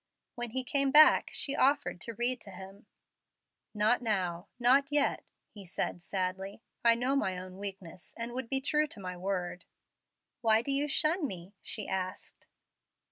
When he came back she offered to read to him. "Not now not yet," he said, sadly. "I know my own weakness, and would be true to my word." "Why do you shun me?" she asked.